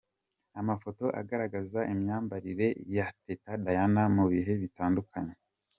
Amafoto agaragaza imyambarire ya Teta Diana mu bihe bitandukanye .